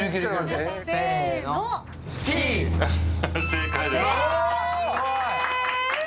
正解です。